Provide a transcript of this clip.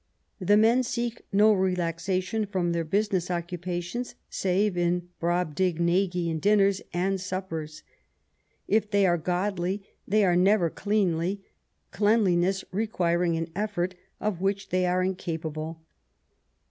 The men seek no relaxation from their business occupations save in Brobdignagian dinners and suppers. If they are godly, they are never cleanly, cleanliness requiring an effort of which they are incapable.